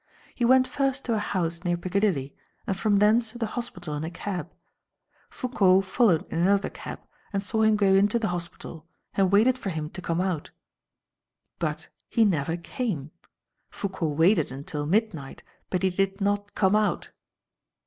He went first to a house near Piccadilly and from thence to the hospital in a cab. Foucault followed in another cab and saw him go into the hospital and waited for him to come out. But he never came. Foucault waited until midnight, but he did not come out.